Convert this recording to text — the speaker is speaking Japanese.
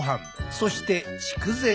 そして筑前煮。